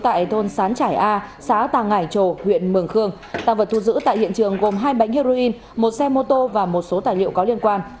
tại thôn sán trải a xã tà ngải trồ huyện mường khương tăng vật thu giữ tại hiện trường gồm hai bánh heroin một xe mô tô và một số tài liệu có liên quan